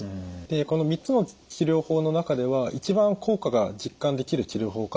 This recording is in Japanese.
でこの３つの治療法の中では一番効果が実感できる治療法かと思います。